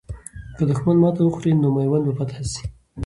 که دښمن ماته وخوري، نو میوند به فتح سي.